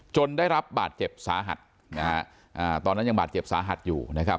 ได้รับบาดเจ็บสาหัสนะฮะตอนนั้นยังบาดเจ็บสาหัสอยู่นะครับ